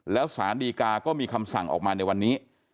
แล้วสารดีกาก็มีคำสั่งออกมาในวันนี้